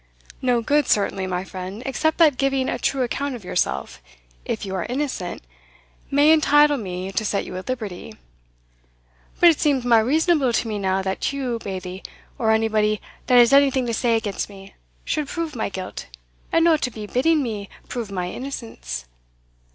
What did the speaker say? no good certainly, my friend, except that giving a true account of yourself, if you are innocent, may entitle me to set you at liberty." "But it seems mair reasonable to me now, that you, Bailie, or anybody that has anything to say against me, should prove my guilt, and no to be bidding me prove my innocence."